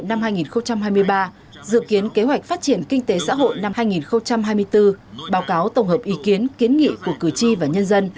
năm hai nghìn hai mươi ba dự kiến kế hoạch phát triển kinh tế xã hội năm hai nghìn hai mươi bốn báo cáo tổng hợp ý kiến kiến nghị của cử tri và nhân dân